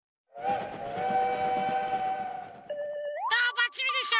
バッチリでしょ？